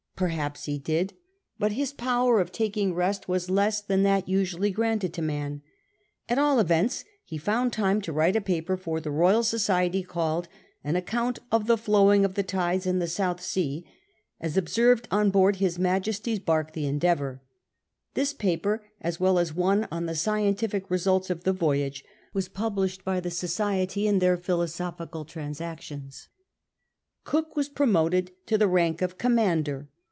Perhaps he did, but his power of taking rest was less than that usually granted to man. At all events, he found time to write a paper for the Koyal Society, called "An Account of the Flowing of the Tides in the South Seii, as observed on board His Majesty's Bark, the Ei\deavmwP This paper, as well as one on the Scientific Eesults of the Voyage, was published by the Society in their Philosophical 'JWinsaclions. Cook was promoted to the rank of commander.